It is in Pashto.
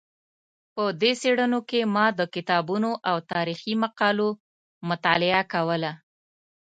په دې څېړنه کې ما د کتابونو او تاریخي مقالو مطالعه کوله.